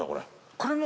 これも。